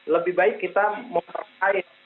lebih baik kita memperbaiki